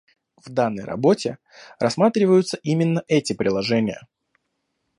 В данной работе рассматриваются именно эти приложения